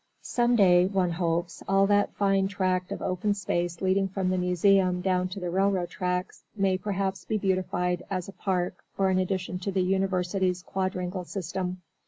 Some day, one hopes, all that fine tract of open space leading from the museum down to the railroad tracks may perhaps be beautified as a park or an addition to the University's quadrangle system.